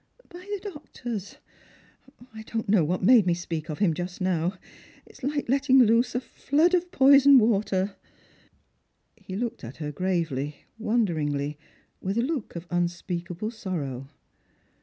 " By the doctors. I don't know what made me speak of him just now. It is hke letting loose a flood of poisoned waters." He looked at her gravely, wonderingly, with a look of un speakable sorrow.